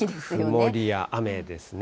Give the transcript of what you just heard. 曇りや雨ですね。